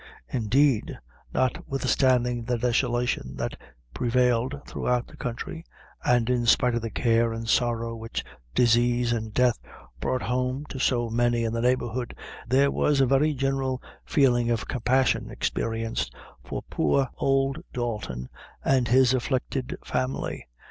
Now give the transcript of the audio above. Indeed, notwithstanding the desolation that prevailed throughout the country, and in spite of the care and sorrow which disease and death brought home to so many in the neighborhood, there was a very general feeling of compassion experienced for poor old Dalton and his afflicted family.